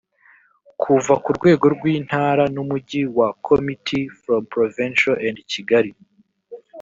kuva ku rwego rw intara n umujyi wa committee from provincial and kigali